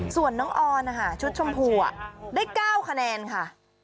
ส่วนน้องออนนะคะชุดชมพูได้๙คะแนนค่ะ